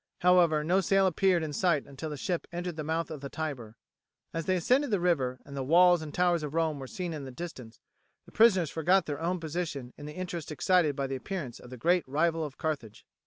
However, no sail appeared in sight until the ship entered the mouth of the Tiber. As they ascended the river, and the walls and towers of Rome were seen in the distance, the prisoners forgot their own position in the interest excited by the appearance of the great rival of Carthage.